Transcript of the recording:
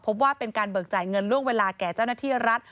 พบว่าเป็นการเบิกจ่ายเงินล่วงเวลาแก่เจ้าหน้าที่รัฐ